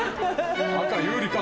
赤有利か。